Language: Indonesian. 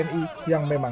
yang memang terhubung